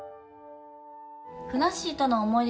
ふなっしーとの思い出